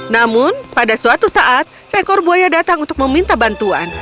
namun pada suatu saat seekor buaya datang untuk meminta bantuan